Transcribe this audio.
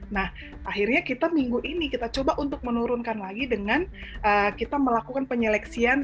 nah akhirnya kita minggu ini kita coba untuk menurunkan lagi dengan kita melakukan penyeleksian